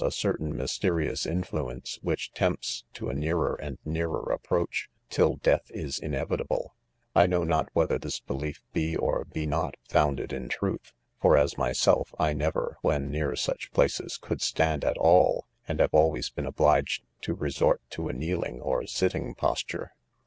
a certain mysterious influence, which tempts to a nearer and nearer approach, till death is inevitable, I know not whether this belief be or be not founded in truth: as for myself, I never, 'when near "such places, could 'stand at all, and have always been obliged to resort to a kneeling or sitting posture.